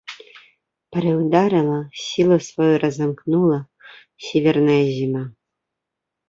Прыўдарыла, сілу сваю разамкнула сіверная зіма.